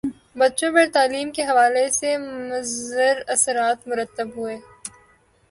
بچوں پر تعلیم کے حوالے سے مضراثرات مرتب ہوئے